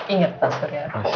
iya aku rindu sama ibu